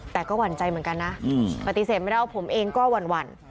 แต่ก็หวั่นใจเหมือนกันนะปฏิเสธไม่ได้ว่าผมเองก็หวั่น